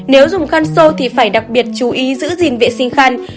nếu dùng khăn xô thì phải đặc biệt chú ý giữ gìn vệ sinh khăn